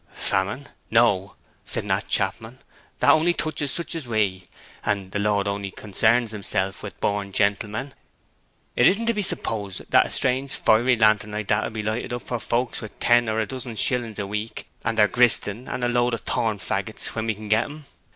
'Famine no!' said Nat Chapman. 'That only touches such as we, and the Lord only consarns himself with born gentlemen. It isn't to be supposed that a strange fiery lantern like that would be lighted up for folks with ten or a dozen shillings a week and their gristing, and a load o' thorn faggots when we can get 'em.